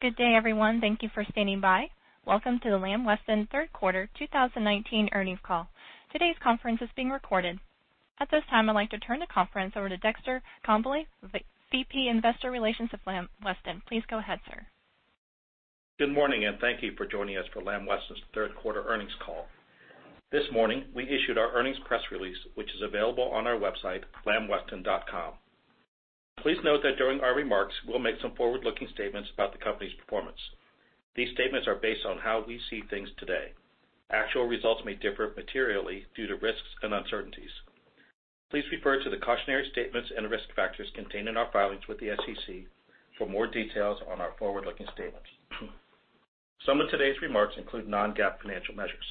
Good day, everyone. Thank you for standing by. Welcome to the Lamb Weston third quarter 2019 earnings call. Today's conference is being recorded. At this time, I'd like to turn the conference over to Dexter Congbalay, VP Investor Relations of Lamb Weston. Please go ahead, sir. Good morning. Thank you for joining us for Lamb Weston's third quarter earnings call. This morning, we issued our earnings press release, which is available on our website, lambweston.com. Please note that during our remarks, we'll make some forward-looking statements about the company's performance. These statements are based on how we see things today. Actual results may differ materially due to risks and uncertainties. Please refer to the cautionary statements and risk factors contained in our filings with the SEC for more details on our forward-looking statements. Some of today's remarks include non-GAAP financial measures.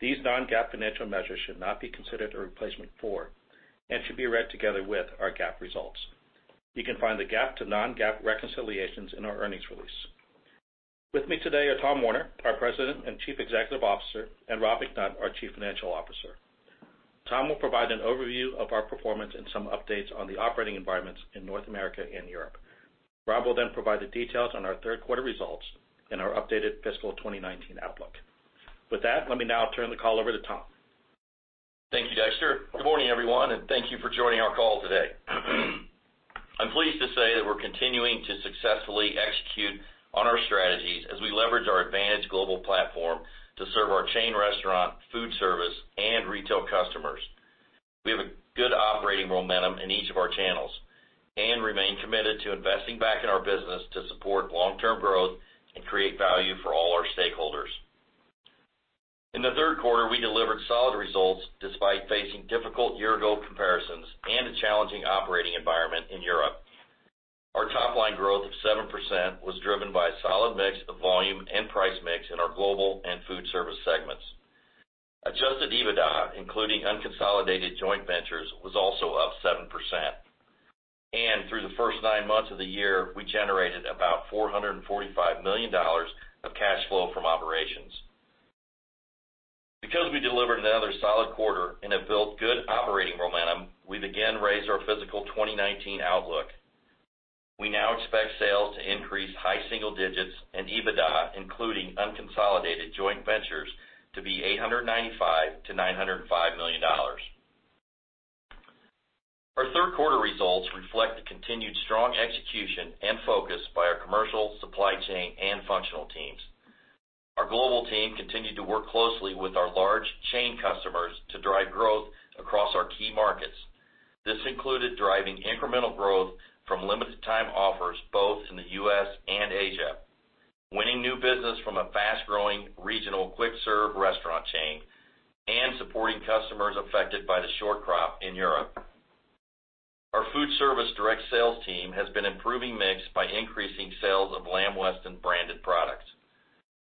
These non-GAAP financial measures should not be considered a replacement for, and should be read together with, our GAAP results. You can find the GAAP to non-GAAP reconciliations in our earnings release. With me today are Tom Werner, our President and Chief Executive Officer, and Rob McNutt, our Chief Financial Officer. Tom will provide an overview of our performance and some updates on the operating environments in North America and Europe. Rob will provide the details on our third quarter results and our updated fiscal 2019 outlook. With that, let me now turn the call over to Tom. Thank you, Dexter. Good morning, everyone. Thank you for joining our call today. I'm pleased to say that we're continuing to successfully execute on our strategies as we leverage our advantage global platform to serve our chain restaurant, food service, and retail customers. We have a good operating momentum in each of our channels and remain committed to investing back in our business to support long-term growth and create value for all our stakeholders. In the third quarter, we delivered solid results despite facing difficult year-ago comparisons and a challenging operating environment in Europe. Our top-line growth of 7% was driven by solid mix of volume and price mix in our global and food service segments. Adjusted EBITDA, including unconsolidated joint ventures, was also up 7%. Through the first nine months of the year, we generated about $445 million of cash flow from operations. Because we delivered another solid quarter and have built good operating momentum, we've again raised our fiscal 2019 outlook. We now expect sales to increase high single digits and EBITDA, including unconsolidated joint ventures, to be $895 million to $905 million. Our third quarter results reflect the continued strong execution and focus by our commercial, supply chain, and functional teams. Our global team continued to work closely with our large chain customers to drive growth across our key markets. This included driving incremental growth from limited time offers both in the U.S. and Asia, winning new business from a fast-growing regional quick serve restaurant chain, and supporting customers affected by the short crop in Europe. Our food service direct sales team has been improving mix by increasing sales of Lamb Weston branded products.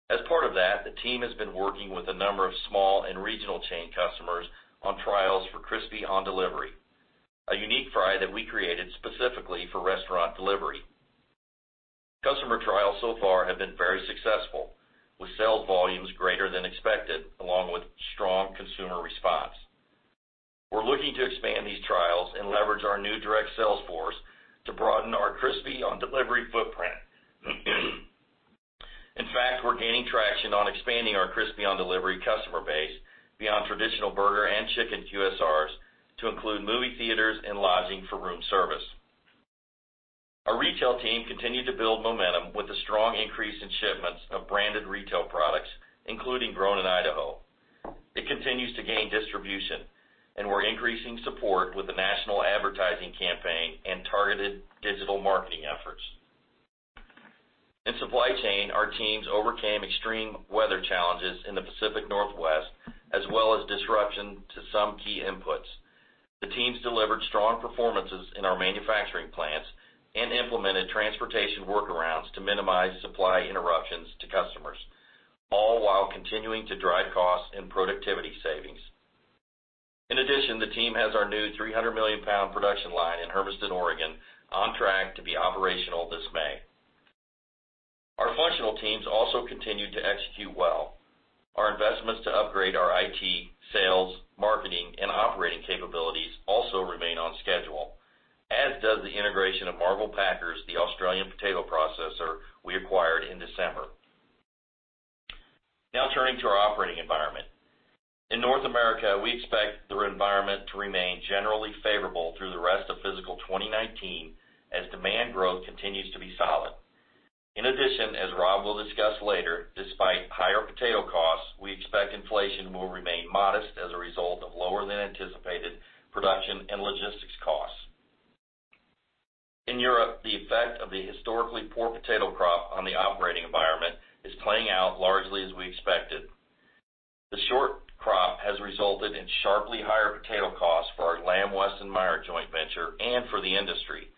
As part of that, the team has been working with a number of small and regional chain customers on trials for Crispy on Delivery, a unique fry that we created specifically for restaurant delivery. Customer trials so far have been very successful, with sales volumes greater than expected, along with strong consumer response. We're looking to expand these trials and leverage our new direct sales force to broaden our Crispy on Delivery footprint. In fact, we're gaining traction on expanding our Crispy on Delivery customer base beyond traditional burger and chicken QSRs to include movie theaters and lodging for room service. Our retail team continued to build momentum with a strong increase in shipments of branded retail products, including Grown in Idaho. It continues to gain distribution, and we're increasing support with a national advertising campaign and targeted digital marketing efforts. In supply chain, our teams overcame extreme weather challenges in the Pacific Northwest, as well as disruption to some key inputs. The teams delivered strong performances in our manufacturing plants and implemented transportation workarounds to minimize supply interruptions to customers, all while continuing to drive costs and productivity savings. In addition, the team has our new 300-million-pound production line in Hermiston, Oregon, on track to be operational this May. Our functional teams also continued to execute well. Our investments to upgrade our IT, sales, marketing, and operating capabilities also remain on schedule, as does the integration of Marvel Packers, the Australian potato processor we acquired in December. Now turning to our operating environment. In North America, we expect the environment to remain generally favorable through the rest of fiscal 2019 as demand growth continues to be solid. In addition, as Rob will discuss later, despite higher potato costs, we expect inflation will remain modest as a result of lower than anticipated production and logistics costs. In Europe, the effect of the historically poor potato crop on the operating environment is playing out largely as we expected. The short crop has resulted in sharply higher potato costs for our Lamb-Weston/Meijer joint venture and for the industry,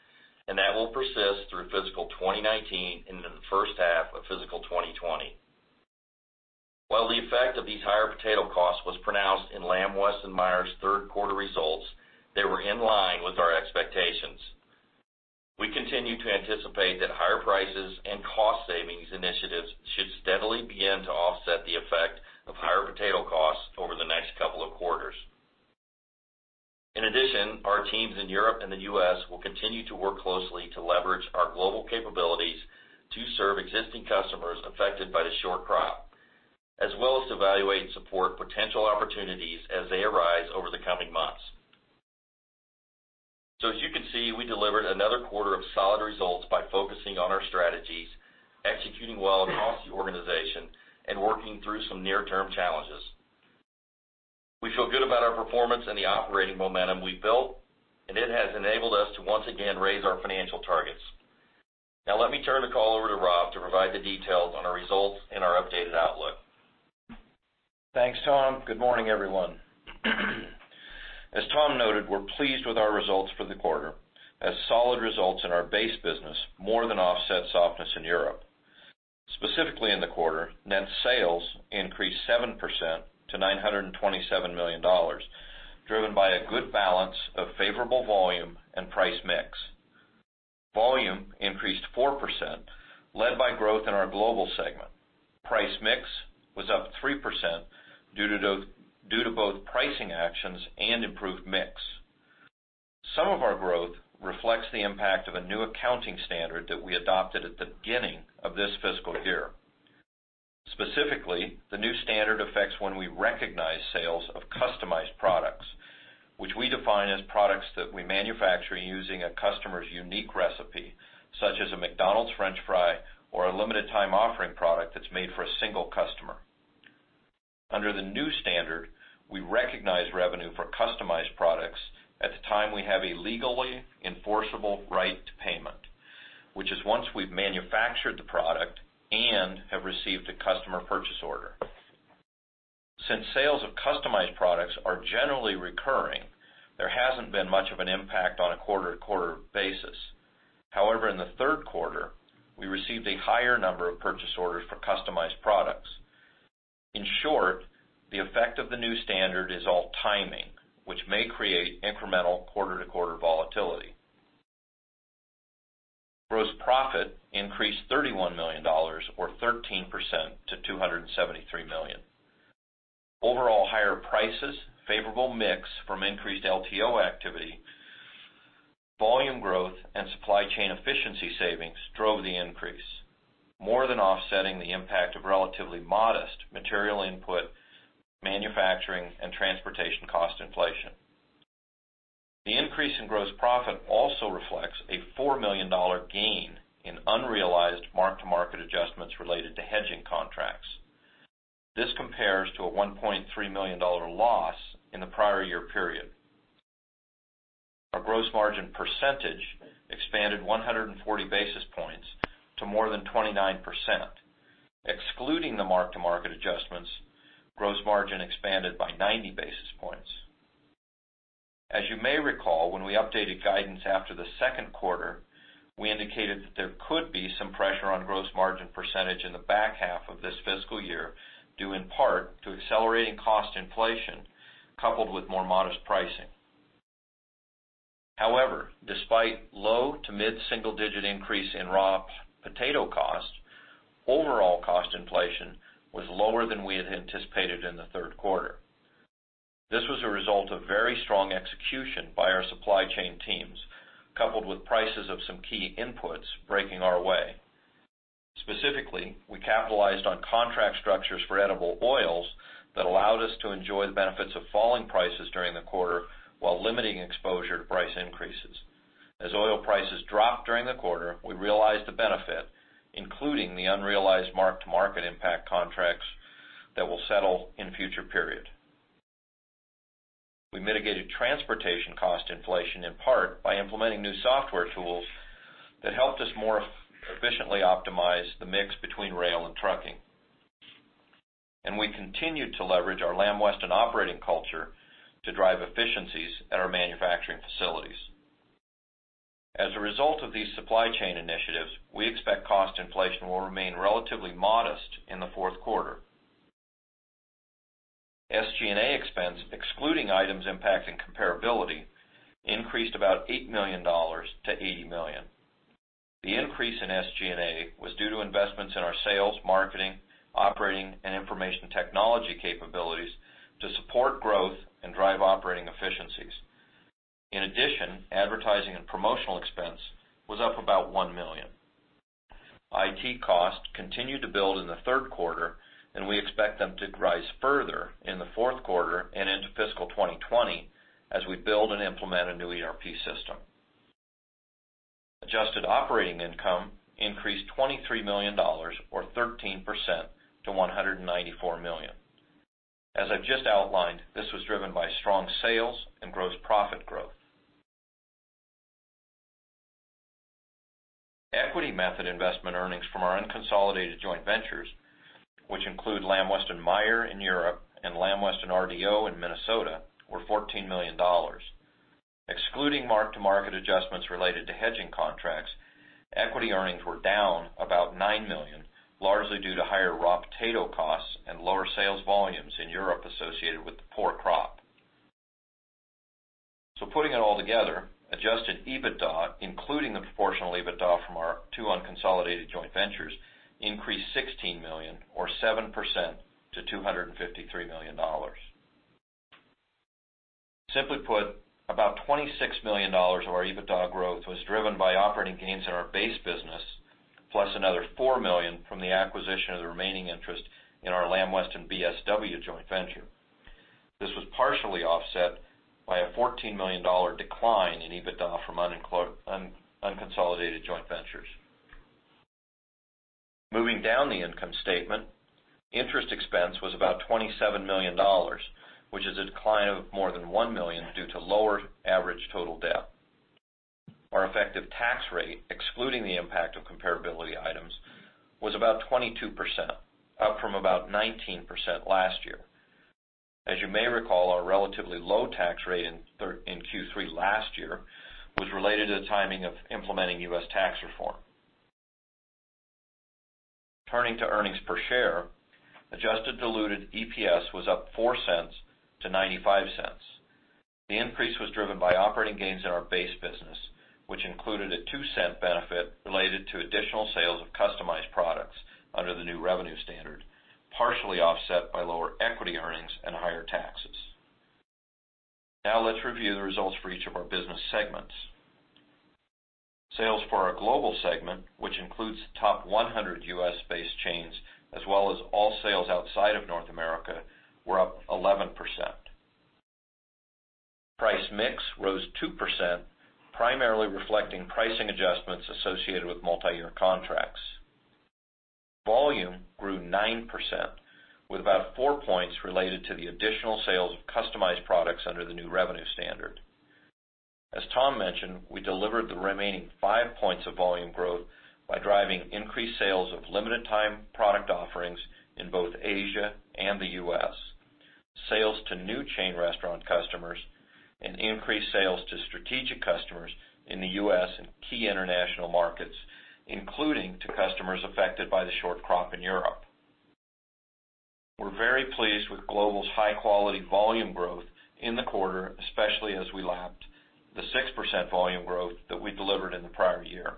and that will persist through fiscal 2019 into the first half of fiscal 2020. While the effect of these higher potato costs was pronounced in Lamb-Weston/Meijer's third quarter results, they were in line with our expectations. We continue to anticipate that higher prices and cost savings initiatives should steadily begin to offset the effect of higher potato costs over the next couple of quarters. In addition, our teams in Europe and the U.S. will continue to work closely to leverage our global capabilities to serve existing customers affected by the short crop, as well as to evaluate and support potential opportunities as they arise over the coming months. As you can see, we delivered another quarter of solid results by focusing on our strategies, executing well across the organization, and working through some near-term challenges. We feel good about our performance and the operating momentum we've built, and it has enabled us to once again raise our financial targets. Let me turn the call over to Rob to provide the details on our results and our updated outlook. Thanks, Tom. Good morning, everyone. As Tom noted, we're pleased with our results for the quarter, as solid results in our base business more than offset softness in Europe. Specifically, in the quarter, net sales increased 7% to $927 million, driven by a good balance of favorable volume and price mix. Volume increased 4%, led by growth in our global segment. Price mix was up 3% due to both pricing actions and improved mix. Some of our growth reflects the impact of a new accounting standard that we adopted at the beginning of this fiscal year. Specifically, the new standard affects when we recognize sales of customized products, which we define as products that we manufacture using a customer's unique recipe, such as a McDonald's french fry or a limited time offering product that's made for a single customer. Under the new standard, we recognize revenue for customized products at the time we have a legally enforceable right to payment, which is once we've manufactured the product and have received a customer purchase order. Since sales of customized products are generally recurring, there hasn't been much of an impact on a quarter-to-quarter basis. However, in the third quarter, we received a higher number of purchase orders for customized products. In short, the effect of the new standard is all timing, which may create incremental quarter-to-quarter volatility. Gross profit increased $31 million, or 13%, to $273 million. Overall higher prices, favorable mix from increased LTO activity, volume growth, and supply chain efficiency savings drove the increase, more than offsetting the impact of relatively modest material input, manufacturing, and transportation cost inflation. The increase in gross profit also reflects a $4 million gain in unrealized mark-to-market adjustments related to hedging contracts. This compares to a $1.3 million loss in the prior year period. Our gross margin percentage expanded 140 basis points to more than 29%. Excluding the mark-to-market adjustments, gross margin expanded by 90 basis points. As you may recall, when we updated guidance after the second quarter, we indicated that there could be some pressure on gross margin percentage in the back half of this fiscal year, due in part to accelerating cost inflation coupled with more modest pricing. However, despite low-to-mid single-digit increase in raw potato cost, overall cost inflation was lower than we had anticipated in the third quarter. This was a result of very strong execution by our supply chain teams, coupled with prices of some key inputs breaking our way. Specifically, we capitalized on contract structures for edible oils that allowed us to enjoy the benefits of falling prices during the quarter while limiting exposure to price increases. As oil prices dropped during the quarter, we realized the benefit, including the unrealized mark-to-market impact contracts that will settle in future periods. We mitigated transportation cost inflation in part by implementing new software tools that helped us more efficiently optimize the mix between rail and trucking. We continued to leverage our Lamb Weston operating culture to drive efficiencies at our manufacturing facilities. As a result of these supply chain initiatives, we expect cost inflation will remain relatively modest in the fourth quarter. SG&A expense, excluding items impacting comparability, increased about $8 million to $80 million. The increase in SG&A was due to investments in our sales, marketing, operating, and information technology capabilities to support growth and drive operating efficiencies. In addition, advertising and promotional expense was up about $1 million. IT costs continued to build in the third quarter, and we expect them to rise further in the fourth quarter and into fiscal 2020 as we build and implement a new ERP system. Adjusted operating income increased $23 million, or 13%, to $194 million. As I've just outlined, this was driven by strong sales and gross profit growth. Equity method investment earnings from our unconsolidated joint ventures, which include Lamb-Weston/Meijer in Europe and Lamb-Weston/RDO Frozen in Minnesota, were $14 million. Excluding mark-to-market adjustments related to hedging contracts, equity earnings were down about $9 million, largely due to higher raw potato costs and lower sales volumes in Europe associated with the poor crop. Putting it all together, Adjusted EBITDA, including the proportional EBITDA from our two unconsolidated joint ventures, increased $16 million or 7% to $253 million. Simply put, about $26 million of our EBITDA growth was driven by operating gains in our base business, plus another $4 million from the acquisition of the remaining interest in our Lamb Weston BSW joint venture. This was partially offset by a $14 million decline in EBITDA from unconsolidated joint ventures. Moving down the income statement, interest expense was about $27 million, which is a decline of more than $1 million due to lower average total debt. Our effective tax rate, excluding the impact of comparability items, was about 22%, up from about 19% last year. As you may recall, our relatively low tax rate in Q3 last year was related to the timing of implementing U.S. tax reform. Turning to earnings per share, adjusted diluted EPS was up $0.04 to $0.95. The increase was driven by operating gains in our base business, which included a $0.02 benefit related to additional sales of customized products under the new revenue standard, partially offset by lower equity earnings and higher taxes. Let's review the results for each of our business segments. Sales for our global segment, which includes the top 100 U.S.-based chains, as well as all sales outside of North America, were up 11%. Price mix rose 2%, primarily reflecting pricing adjustments associated with multi-year contracts. Volume grew 9%, with about four points related to the additional sales of customized products under the new revenue standard. As Tom mentioned, we delivered the remaining five points of volume growth by driving increased sales of limited time product offerings in both Asia and the U.S., sales to new chain restaurant customers, and increased sales to strategic customers in the U.S. and key international markets, including to customers affected by the short crop in Europe. We're very pleased with Global's high-quality volume growth in the quarter, especially as we lapped the 6% volume growth that we delivered in the prior year.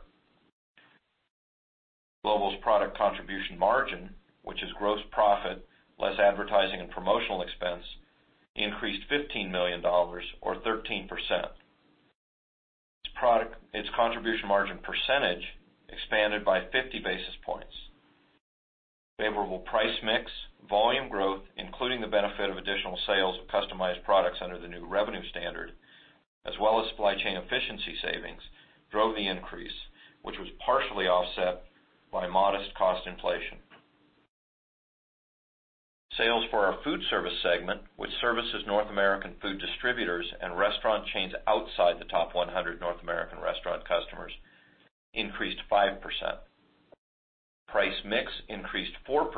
Global's product contribution margin, which is gross profit less advertising and promotional expense, increased $15 million or 13%. Its contribution margin percentage expanded by 50 basis points. Favorable price mix, volume growth, including the benefit of additional sales of customized products under the new revenue standard, as well as supply chain efficiency savings, drove the increase, which was partially offset by modest cost inflation. Sales for our Food Service segment, which services North American food distributors and restaurant chains outside the top 100 North American restaurant customers, increased 5%. Price mix increased 4%,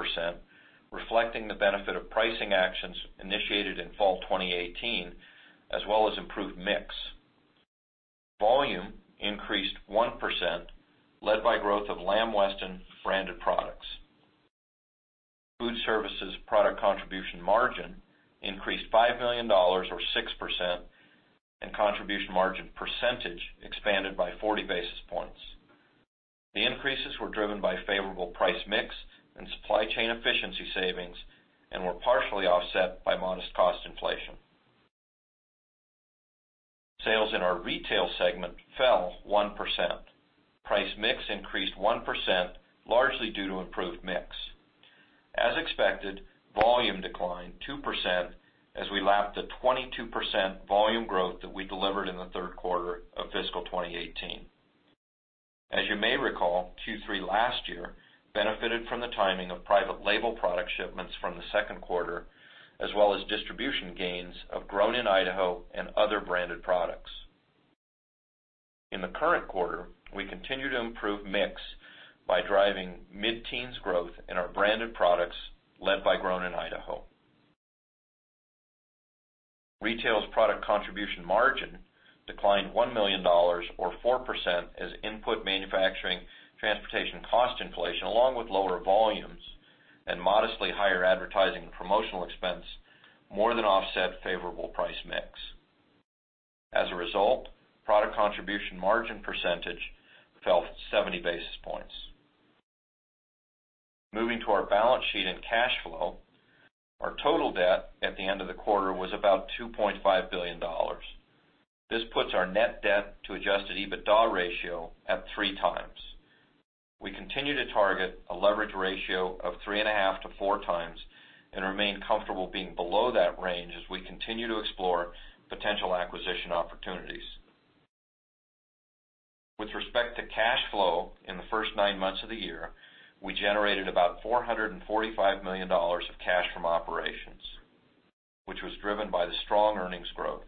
reflecting the benefit of pricing actions initiated in fall 2018, as well as improved mix. Volume increased 1%, led by growth of Lamb Weston branded products. Food Service's product contribution margin increased $5 million or 6%, and contribution margin percentage expanded by 40 basis points. The increases were driven by favorable price mix and supply chain efficiency savings and were partially offset by modest cost inflation. Sales in our Retail segment fell 1%. Price mix increased 1%, largely due to improved mix. As expected, volume declined 2% as we lapped the 22% volume growth that we delivered in the third quarter of fiscal 2018. As you may recall, Q3 last year benefited from the timing of private label product shipments from the second quarter, as well as distribution gains of Grown in Idaho and other branded products. In the current quarter, we continue to improve mix by driving mid-teens growth in our branded products, led by Grown in Idaho. Retail's product contribution margin declined $1 million or 4% as input manufacturing, transportation cost inflation, along with lower volumes and modestly higher advertising and promotional expense, more than offset favorable price mix. As a result, product contribution margin percentage fell 70 basis points. Moving to our balance sheet and cash flow, our total debt at the end of the quarter was about $2.5 billion. This puts our net debt to adjusted EBITDA ratio at 3x. We continue to target a leverage ratio of 3.5-4x and remain comfortable being below that range as we continue to explore potential acquisition opportunities. With respect to cash flow in the first nine months of the year, we generated about $445 million of cash from operations, which was driven by the strong earnings growth.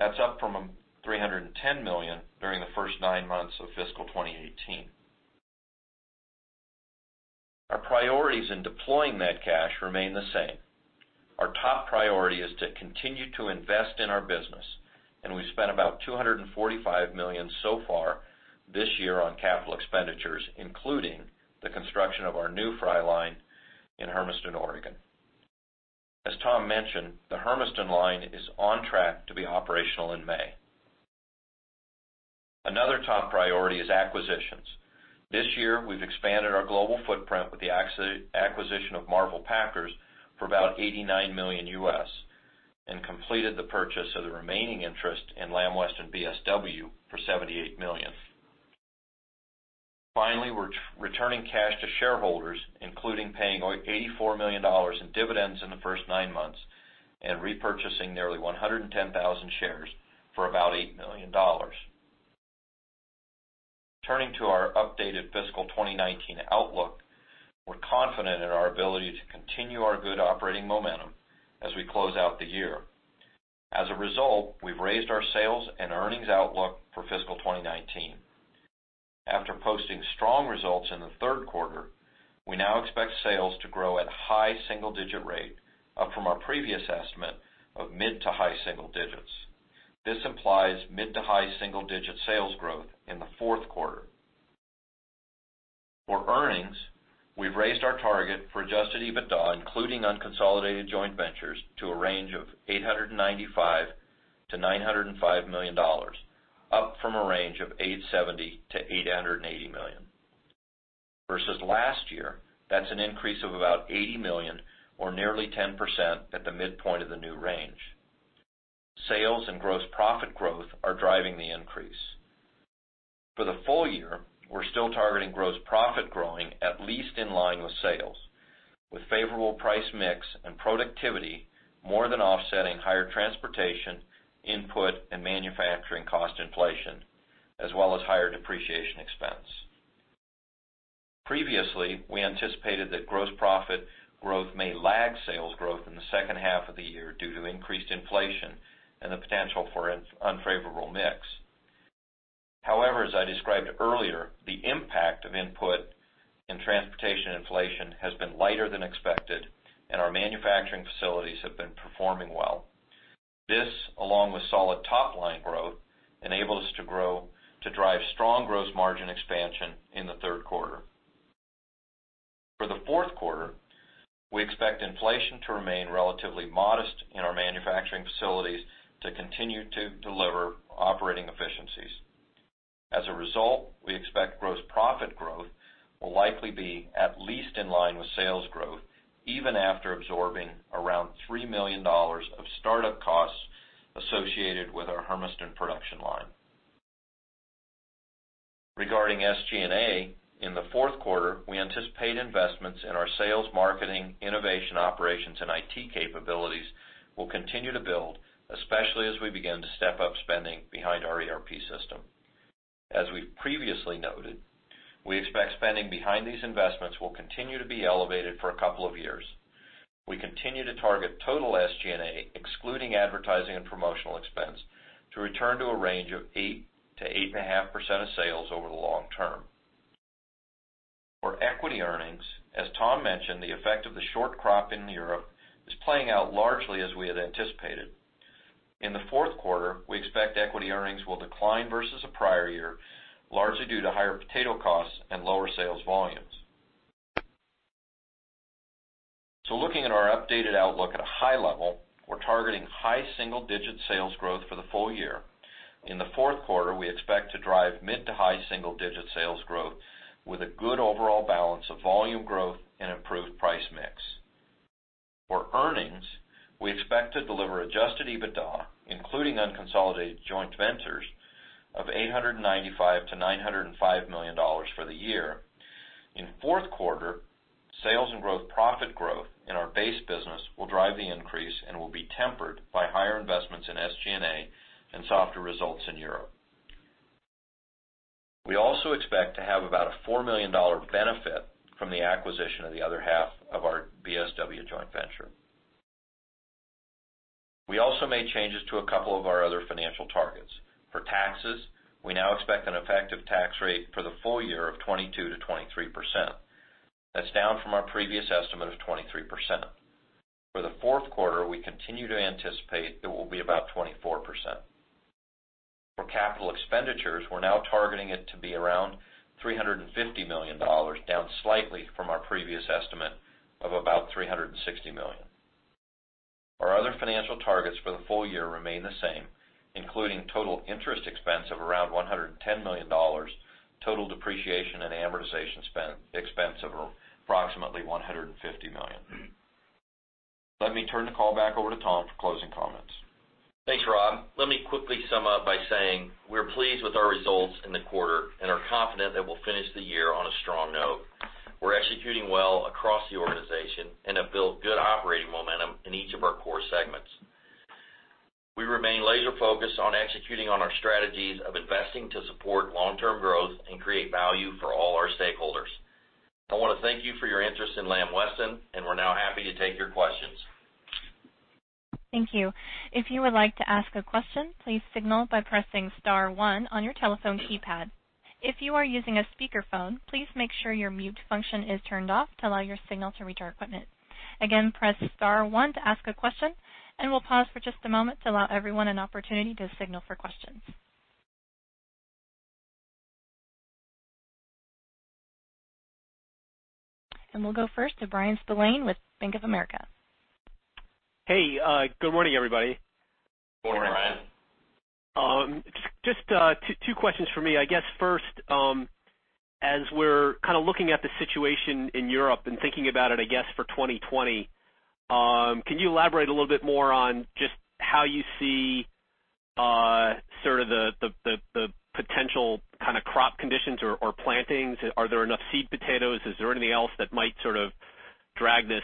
That's up from $310 million during the first nine months of fiscal 2018. Our priorities in deploying that cash remain the same. Our top priority is to continue to invest in our business, and we've spent about $245 million so far this year on capital expenditures, including the construction of our new fry line in Hermiston, Oregon. As Tom mentioned, the Hermiston line is on track to be operational in May. Another top priority is acquisitions. This year, we've expanded our global footprint with the acquisition of Marvel Packers for about $89 million, and completed the purchase of the remaining interest in Lamb Weston BSW for $78 million. Finally, we're returning cash to shareholders, including paying $84 million in dividends in the first nine months, and repurchasing nearly 110,000 shares for about $8 million. Turning to our updated fiscal 2019 outlook, we're confident in our ability to continue our good operating momentum as we close out the year. As a result, we've raised our sales and earnings outlook for fiscal 2019. After posting strong results in the third quarter, we now expect sales to grow at high single-digit rate up from our previous estimate of mid to high single digits. This implies mid to high single-digit sales growth in the fourth quarter. For earnings, we've raised our target for adjusted EBITDA, including unconsolidated joint ventures, to a range of $895 million-$905 million, up from a range of $870 million-$880 million. Versus last year, that's an increase of about $80 million or nearly 10% at the midpoint of the new range. Sales and gross profit growth are driving the increase. For the full year, we're still targeting gross profit growing at least in line with sales, with favorable price mix and productivity more than offsetting higher transportation, input, and manufacturing cost inflation, as well as higher depreciation expense. Previously, we anticipated that gross profit growth may lag sales growth in the second half of the year due to increased inflation and the potential for unfavorable mix. However, as I described earlier, the impact of input and transportation inflation has been lighter than expected, and our manufacturing facilities have been performing well. This, along with solid top-line growth, enabled us to drive strong gross margin expansion in the third quarter. For the fourth quarter, we expect inflation to remain relatively modest in our manufacturing facilities to continue to deliver operating efficiencies. As a result, we expect gross profit growth will likely be at least in line with sales growth, even after absorbing around $3 million of startup costs associated with our Hermiston production line. Regarding SG&A, in the fourth quarter, we anticipate investments in our sales, marketing, innovation, operations, and IT capabilities will continue to build, especially as we begin to step up spending behind our ERP system. As we've previously noted, we expect spending behind these investments will continue to be elevated for a couple of years. We continue to target total SG&A, excluding advertising and promotional expense, to return to a range of 8%-8.5% of sales over the long term. For equity earnings, as Tom mentioned, the effect of the short crop in Europe is playing out largely as we had anticipated. In the fourth quarter, we expect equity earnings will decline versus the prior year, largely due to higher potato costs and lower sales volumes. Looking at our updated outlook at a high level, we're targeting high single-digit sales growth for the full year. In the fourth quarter, we expect to drive mid to high single-digit sales growth with a good overall balance of volume growth and improved price mix. For earnings, we expect to deliver adjusted EBITDA, including unconsolidated joint ventures, of $895 million-$905 million for the year. In fourth quarter, sales and gross profit growth in our base business will drive the increase and will be tempered by higher investments in SG&A and softer results in Europe. We also expect to have about a $4 million benefit from the acquisition of the other half of our BSW joint venture. We also made changes to a couple of our other financial targets. For taxes, we now expect an effective tax rate for the full year of 22%-23%. That's down from our previous estimate of 23%. For the fourth quarter, we continue to anticipate it will be about 24%. For capital expenditures, we're now targeting it to be around $350 million, down slightly from our previous estimate of about $360 million. Our other financial targets for the full year remain the same, including total interest expense of around $110 million, total depreciation and amortization expense of approximately $150 million. Let me turn the call back over to Tom for closing comments. Thanks, Rob. Let me quickly sum up by saying we're pleased with our results in the quarter and are confident that we'll finish the year on a strong note. We're executing well across the organization and have built good operating momentum in each of our core segments. We remain laser-focused on executing on our strategies of investing to support long-term growth and create value for all our stakeholders. I want to thank you for your interest in Lamb Weston, and we're now happy to take your questions. Thank you. If you would like to ask a question, please signal by pressing *1 on your telephone keypad. If you are using a speakerphone, please make sure your mute function is turned off to allow your signal to reach our equipment. Again, press *1 to ask a question, and we'll pause for just a moment to allow everyone an opportunity to signal for questions. We'll go first to Bryan Spillane with Bank of America. Hey, good morning, everybody. Good morning, Bryan. Just two questions from me. I guess first, as we're kind of looking at the situation in Europe and thinking about it, I guess, for 2020, can you elaborate a little bit more on just how you see sort of the potential kind of crop conditions or plantings? Are there enough seed potatoes? Is there anything else that might sort of drag this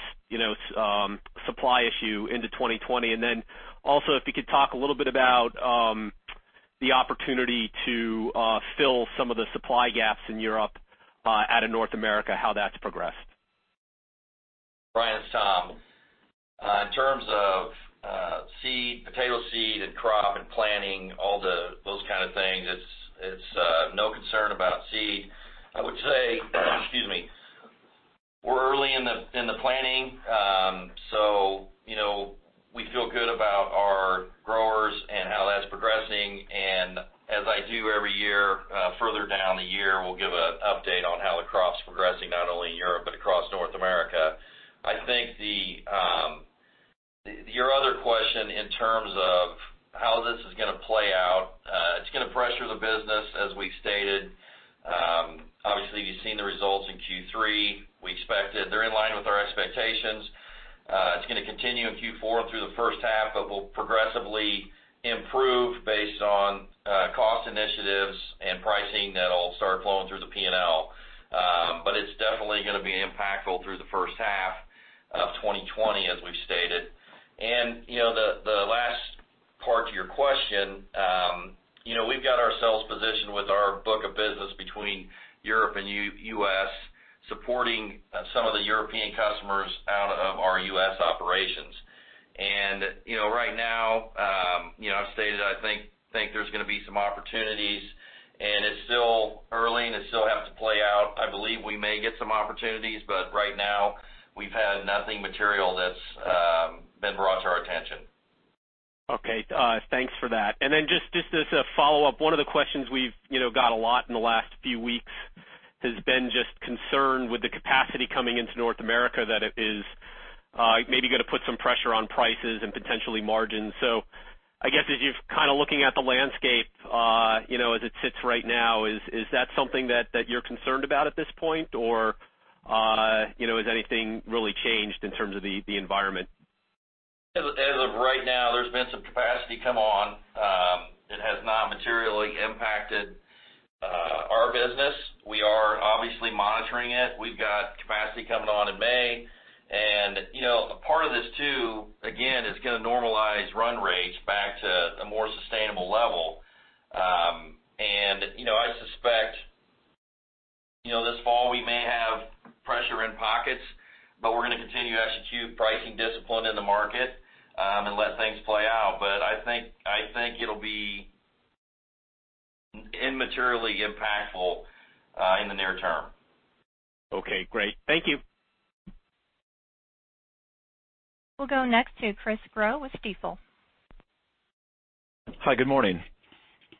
supply issue into 2020? Then also, if you could talk a little bit about the opportunity to fill some of the supply gaps in Europe out of North America, how that's progressed. Bryan, it's Tom. In terms of potato seed and crop and planning, all those kind of things, it's no concern about seed. I would say, excuse me. We're early in the planning, we feel good about our growers and how that's progressing. As I do every year, further down the year, we'll give an update on how the crop's progressing, not only in Europe but across North America. I think your other question in terms of how this is going to play out, it's going to pressure the business, as we've stated. Obviously, you've seen the results in Q3. They're in line with our expectations. It's going to continue in Q4 through the first half, we'll progressively improve based on cost initiatives and pricing that'll start flowing through the P&L. It's definitely going to be impactful through the first half of 2020, as we've stated. The last part to your question, we've got ourselves positioned with our book of business between Europe and U.S. supporting some of the European customers out of our U.S. operations. Right now, I've stated I think there's going to be some opportunities. It's still early. It still has to play out. I believe we may get some opportunities, right now, we've had nothing material that's been brought to our attention. Okay. Thanks for that. Just as a follow-up, one of the questions we've got a lot in the last few weeks has been just concern with the capacity coming into North America that it is maybe going to put some pressure on prices and potentially margins. I guess as you're kind of looking at the landscape as it sits right now, is that something that you're concerned about at this point? Has anything really changed in terms of the environment? As of right now, there's been some capacity come on. It has not materially impacted our business. We are obviously monitoring it. We've got capacity coming on in May. A part of this too, again, is going to normalize run rates back to a more sustainable level. I suspect this fall we may have pressure in pockets, we're going to continue to execute pricing discipline in the market and let things play out. I think it'll be immaterially impactful in the near term. Okay, great. Thank you. We'll go next to Chris Growe with Stifel. Hi, good morning.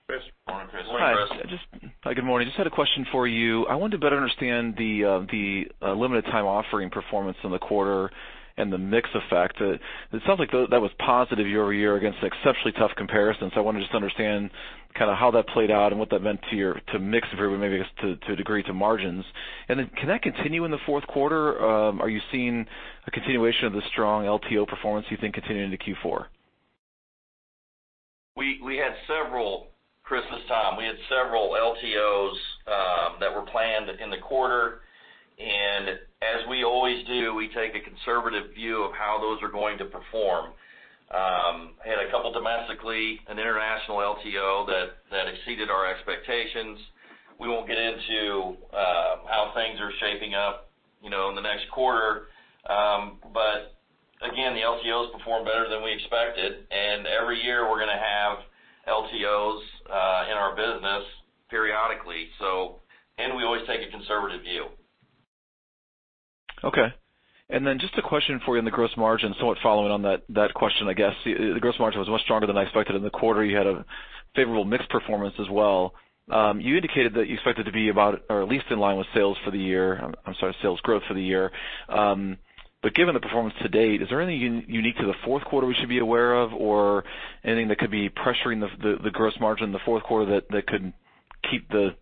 Chris. Morning, Chris. Hi. Good morning. Just had a question for you. I wanted to better understand the limited time offering performance in the quarter and the mix effect. It sounds like that was positive year-over-year against exceptionally tough comparisons. I wanted just to understand kind of how that played out and what that meant to mix, maybe to a degree to margins. Can that continue in the fourth quarter? Are you seeing a continuation of the strong LTO performance you think continuing into Q4? Chris, it's Tom. We had several LTOs that were planned in the quarter. As we always do, we take a conservative view of how those are going to perform. Had a couple domestically, an international LTO that exceeded our expectations. We won't get into how things are shaping up in the next quarter. Again, the LTOs performed better than we expected. Every year, we're going to have LTOs in our business periodically. We always take a conservative view. Okay. Just a question for you on the gross margin, somewhat following on that question, I guess. The gross margin was much stronger than I expected in the quarter. You had a favorable mix performance as well. You indicated that you expected to be about or at least in line with sales growth for the year. Given the performance to date, is there anything unique to the fourth quarter we should be aware of or anything that could be pressuring the gross margin in the fourth quarter that could keep the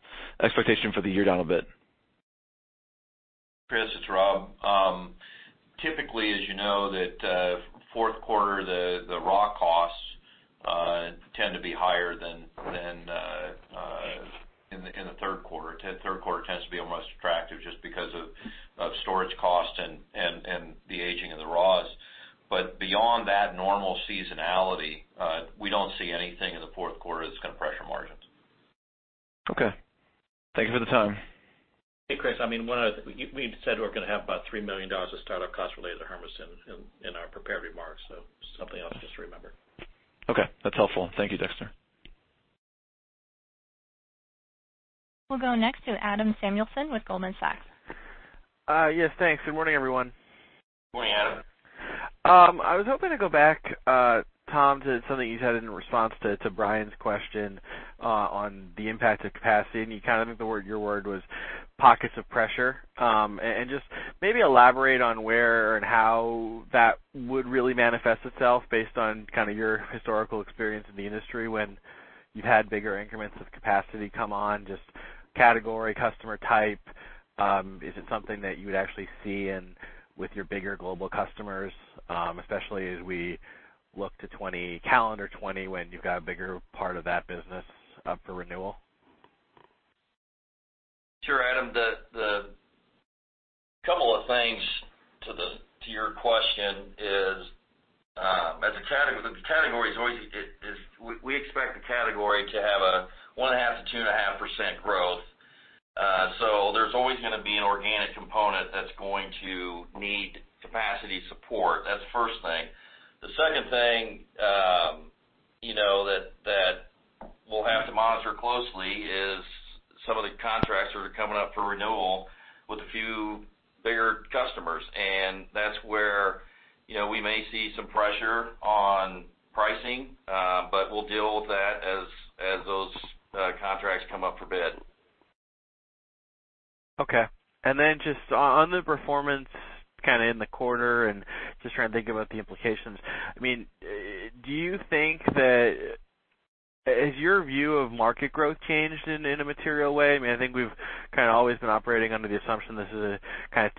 expectation for the year down a bit? Chris, it's Rob. Typically, as you know, that fourth quarter, the raw costs tend to be higher than in the third quarter. Third quarter tends to be the most attractive just because of storage cost and the aging of the raws. Beyond that normal seasonality, we don't see anything in the fourth quarter that's going to pressure margins. Okay. Thank you for the time. Hey, Chris, we said we're going to have about $3 million of start-up costs related to Hermiston in our prepared remarks, so something else just to remember. Okay. That's helpful. Thank you, Dexter. We'll go next to Adam Samuelson with Goldman Sachs. Yes, thanks. Good morning, everyone. Morning, Adam. I was hoping to go back, Tom, to something you said in response to Bryan's question on the impact of capacity, I think your word was pockets of pressure. Just maybe elaborate on where and how that would really manifest itself based on your historical experience in the industry when you've had bigger increments of capacity come on, just category, customer type. Is it something that you would actually see in with your bigger global customers? Especially as we look to calendar 2020 when you've got a bigger part of that business up for renewal. Sure, Adam. The couple of things to your question is, we expect the category to have a 1.5%-2.5% growth. There's always going to be an organic component that's going to need capacity support. That's the first thing. The second thing that we'll have to monitor closely is some of the contracts that are coming up for renewal with a few bigger customers. That's where we may see some pressure on pricing. We'll deal with that as those contracts come up for bid. Just on the performance in the quarter and just trying to think about the implications. Has your view of market growth changed in a material way? I think we've always been operating under the assumption this is a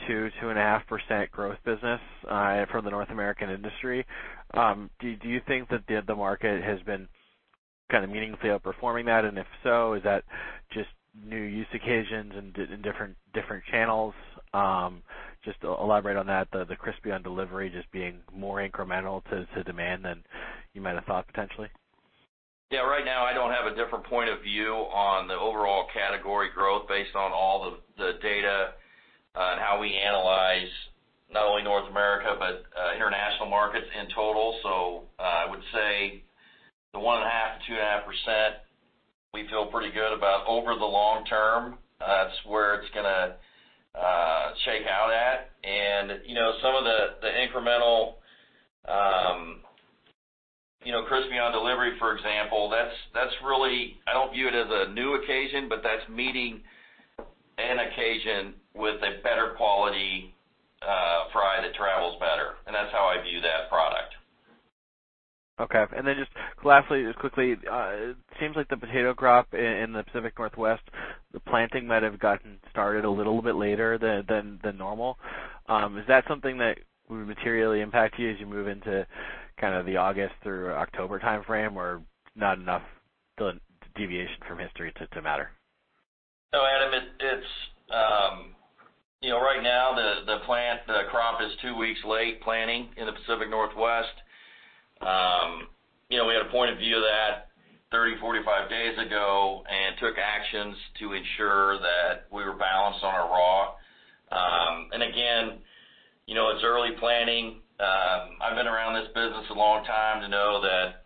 2%, 2.5% growth business from the North American industry. Do you think that the market has been meaningfully outperforming that? If so, is that just new use occasions and different channels? Just elaborate on that, the Crispy on Delivery just being more incremental to demand than you might have thought, potentially. Yeah. Right now, I don't have a different point of view on the overall category growth based on all the data on how we analyze not only North America, but international markets in total. I would say the 1.5%-2.5%, we feel pretty good about over the long term. That's where it's going to shake out at. Some of the incremental Crispy on Delivery, for example, I don't view it as a new occasion, but that's meeting an occasion with a better quality fry that travels better, and that's how I view that product. Okay. Just lastly, just quickly, it seems like the potato crop in the Pacific Northwest, the planting might have gotten started a little bit later than normal. Is that something that would materially impact you as you move into the August through October timeframe or not enough deviation from history to matter? Adam, right now the crop is two weeks late planting in the Pacific Northwest. We had a point of view of that 30, 45 days ago and took actions to ensure that we were balanced on our raw. Again, it's early planting. I've been around this business a long time to know that,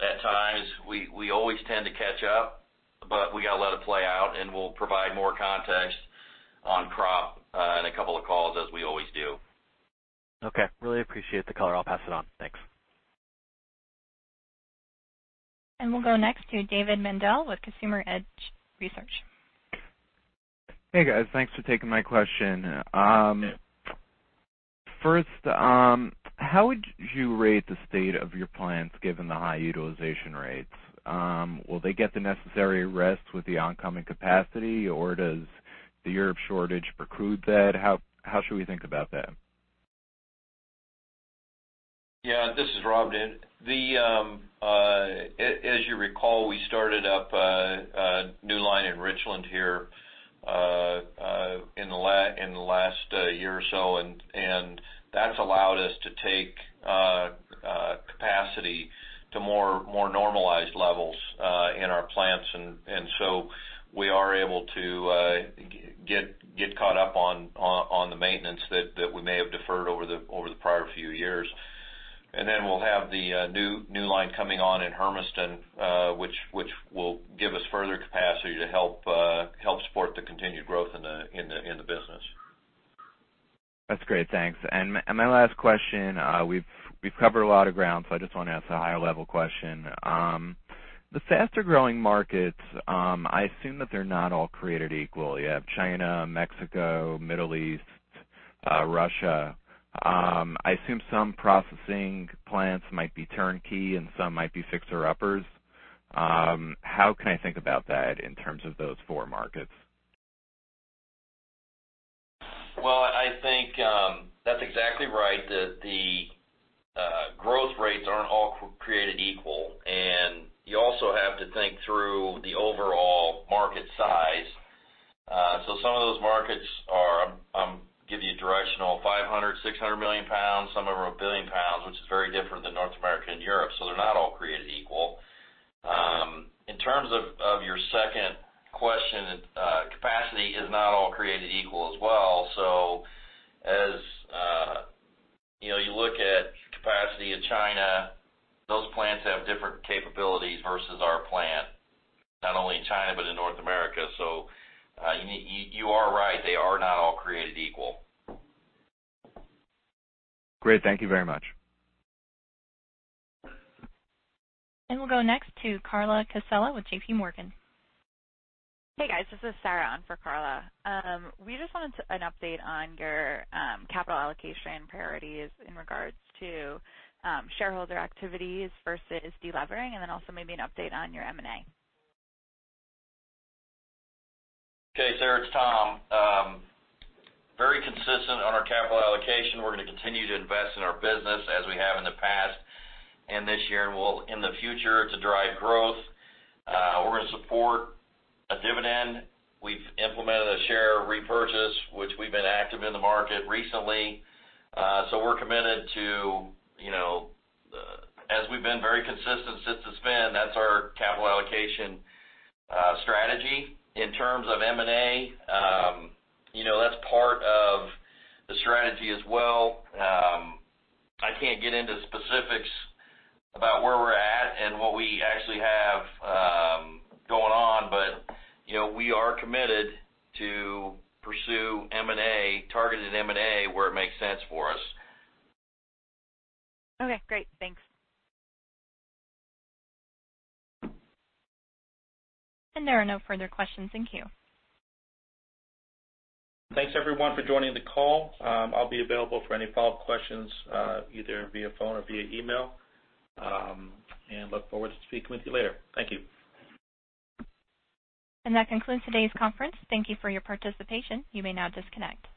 at times, we always tend to catch up, but we got to let it play out, and we'll provide more context on crop in a couple of calls as we always do. Okay. Really appreciate the color. I'll pass it on. Thanks. We'll go next to David Mandel with Consumer Edge Research. Hey, guys. Thanks for taking my question. First, how would you rate the state of your plants given the high utilization rates? Will they get the necessary rest with the oncoming capacity, or does the Europe shortage preclude that? How should we think about that? Yeah. This is Rob. As you recall, we started up a new line in Richland here in the last year or so, and that's allowed us to take capacity to more normalized levels in our plants. We are able to get caught up on the maintenance that we may have deferred over the prior few years. We'll have the new line coming on in Hermiston, which will give us further capacity to help support the continued growth in the business. My last question, we've covered a lot of ground, so I just want to ask a high-level question. The faster-growing markets, I assume that they're not all created equal. You have China, Mexico, Middle East, Russia. I assume some processing plants might be turnkey and some might be fixer-uppers. How can I think about that in terms of those four markets? Well, I think that's exactly right, that the growth rates aren't all created equal, and you also have to think through the overall market size. Some of those markets are, I'll give you a directional, 500, 600 million pounds. Some of them are 1 billion pounds, which is very different than North America and Europe. They're not all created equal. In terms of your second question, capacity is not all created equal as well. As you look at capacity in China, those plants have different capabilities versus our plant, not only in China but in North America. You are right. They are not all created equal. Great. Thank you very much. We'll go next to Carla Casella with JPMorgan. Hey, guys. This is Sarah on for Carla. We just wanted an update on your capital allocation priorities in regards to shareholder activities versus de-levering, and then also maybe an update on your M&A. Okay, Sarah, it's Tom. Very consistent on our capital allocation. We're going to continue to invest in our business as we have in the past and this year and in the future to drive growth. We're going to support a dividend. We've implemented a share repurchase, which we've been active in the market recently. We're committed to, as we've been very consistent since the spin, that's our capital allocation strategy. In terms of M&A, that's part of the strategy as well. I can't get into specifics about where we're at and what we actually have going on, but we are committed to pursue targeted M&A where it makes sense for us. Okay, great. Thanks. There are no further questions. Thank you. Thanks, everyone, for joining the call. I'll be available for any follow-up questions either via phone or via email, and look forward to speaking with you later. Thank you. That concludes today's conference. Thank you for your participation. You may now disconnect.